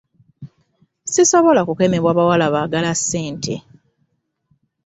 Sisobola kukemebwa bawala baagala ssente.